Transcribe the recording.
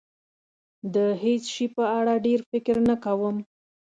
د هېڅ شي په اړه ډېر فکر نه کوم.